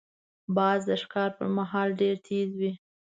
باز د ښکار پر مهال ډېر تیز وي